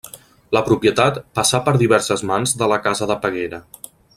La propietat passà per diverses mans de la casa de Peguera.